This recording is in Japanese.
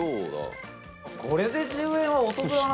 宮田：これで１０円はお得だな。